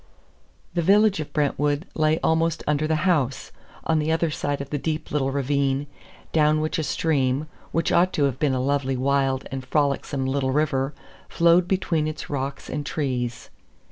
The village of Brentwood lay almost under the house, on the other side of the deep little ravine, down which a stream which ought to have been a lovely, wild, and frolicsome little river flowed between its rocks and trees.